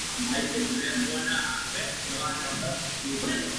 Es protagonizada por Choi Kang Hee y Joo Won.